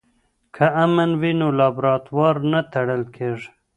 که امن وي نو لابراتوار نه تړل کیږي.